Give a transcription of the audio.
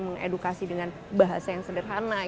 mengedukasi dengan bahasa yang sederhana